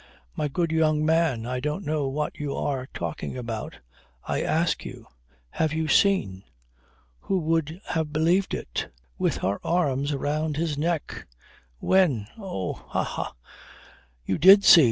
"My good young man, I don't know what you are talking about. I ask you have you seen? Who would have believed it? with her arms round his neck. When! Oh! Ha! Ha! You did see!